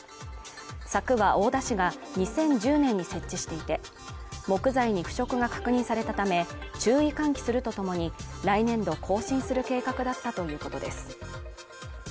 柵は大田市が２０１０年に設置していて、木材に腐食が確認されたため注意喚起するとともに、来年度更新する計画だったということです。